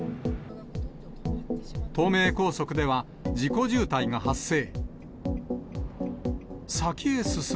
東名高速では、事故渋滞が発生。